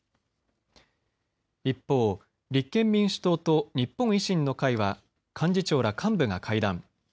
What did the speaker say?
一方、立憲民主党と日本維新の会は幹事長ら幹部が会談。